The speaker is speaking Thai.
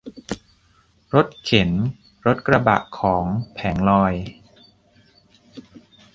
รถเข็น รถกระบะของแผงลอย